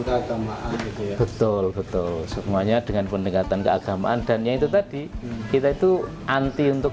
keagamaan betul betul semuanya dengan pendekatan keagamaan dan yaitu tadi kita itu anti untuk